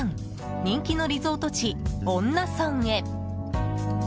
人気のリゾート地、恩納村へ。